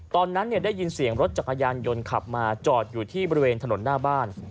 ตอนนั้นได้ยินเสียงรถจักรยานยนต์ขับมาจอดอยู่ที่บริเวณถนนหน้าบ้าน